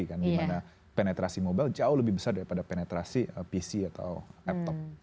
di mana penetrasi mobile jauh lebih besar daripada penetrasi pc atau laptop